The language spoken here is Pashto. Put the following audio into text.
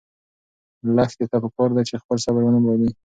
لښتې ته پکار ده چې خپل صبر ونه بایلي.